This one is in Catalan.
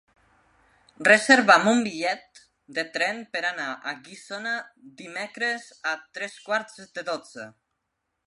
Reserva'm un bitllet de tren per anar a Guissona dimecres a tres quarts de dotze.